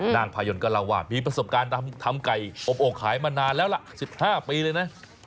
นางพายนก็เล่าว่ามีประสบการณ์ทำไก่อบโอ่งขายมานานแล้วล่ะ๑๕ปีเลยนะ